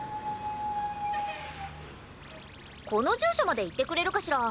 この住所まで行ってくれるかしら？